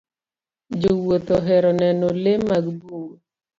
Jowuoth ohero neno le mag bungu.